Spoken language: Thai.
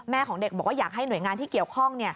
ของเด็กบอกว่าอยากให้หน่วยงานที่เกี่ยวข้อง